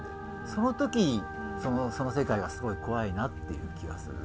その時その世界はすごい怖いなっていう気がする。